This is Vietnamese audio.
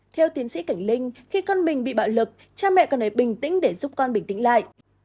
theo tiến sĩ cảnh linh khi con mình bị bạo lực cha mẹ cần phải bình tĩnh để giúp con bình tĩnh lại